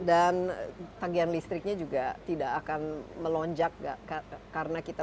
dan tagihan listriknya juga tidak akan melonjak karena kita